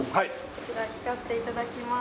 こちら敷かせていただきます